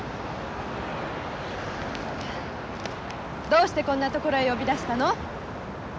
どうしてこんな所へ呼び出したの？